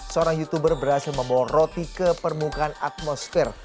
seorang youtuber berhasil membawa roti ke permukaan atmosfer